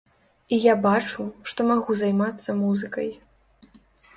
І я бачу, што магу займацца музыкай.